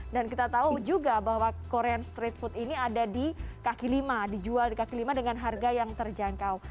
dan kita tahu juga bahwa korean street food ini ada di kk lima dijual di kk lima dengan harga yang terjangkau